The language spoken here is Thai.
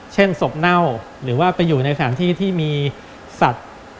เช่นศพเน่าหรือว่าไปอยู่ในสถานที่ที่มีสัตว์